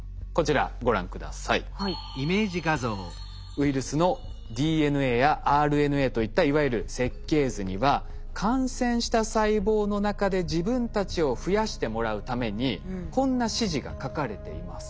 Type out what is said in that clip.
ウイルスのＤＮＡやＲＮＡといったいわゆる設計図には感染した細胞の中で自分たちを増やしてもらうためにこんな指示が書かれています。